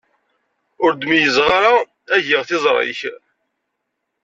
Ur d-meyyzeɣ ara agiɣ tiẓri-k.